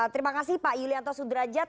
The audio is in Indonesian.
terima kasih pak yulianto sudrajat